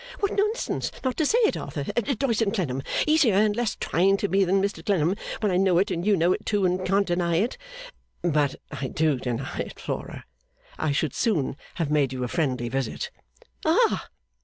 'What nonsense not to say it Arthur Doyce and Clennam easier and less trying to me than Mr Clennam when I know it and you know it too and can't deny it.' 'But I do deny it, Flora. I should soon have made you a friendly visit.' 'Ah!